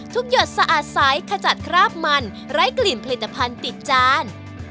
หยดสะอาดใสขจัดคราบมันไร้กลิ่นผลิตภัณฑ์ติดจาน